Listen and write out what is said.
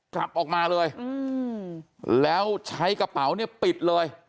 กลับออกมาเลยแล้วใช้กระเป๋าเนี่ยปิดเลย